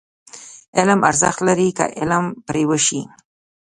علم ارزښت لري، که عمل پرې وشي.